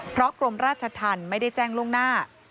เพราะกรมราชธรรมไม่ได้แจ้งล่วงหน้า